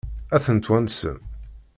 Ad ten-twansem?